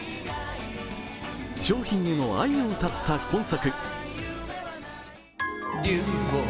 商品への愛を歌った今作